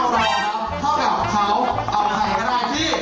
เอาใครก็ได้พี่